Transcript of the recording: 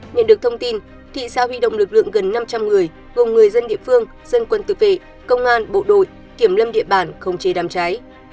nhận được thông tin thị xã huy động lực lượng gần năm trăm linh người gồm người dân địa phương dân quân tự vệ công an bộ đội kiểm lâm địa bàn khống chế đám cháy